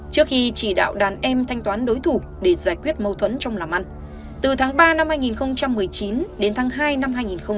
trước khi chỉ đạo đàn em thanh toán đối thủ để giải quyết mâu thuẫn trong làm ăn từ tháng ba năm hai nghìn một mươi chín đến tháng hai năm hai nghìn hai mươi